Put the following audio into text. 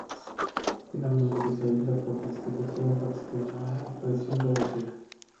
Finalmente, se aísla por destilación fraccionada a presión reducida.